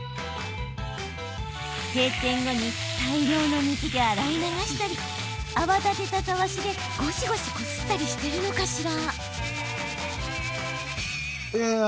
閉店後に大量の水で洗い流したり泡立てた、たわしでゴシゴシこすったりしてるのかしら？